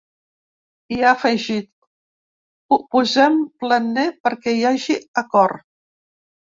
I ha afegit: Ho posem planer perquè hi hagi acord.